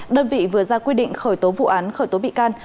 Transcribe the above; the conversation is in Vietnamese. đơn vị vừa ra quyết định khởi tố vụ án khởi tố bị can